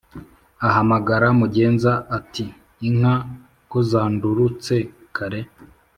Ahamagara mugenza ati"inka kozandurutse kare?"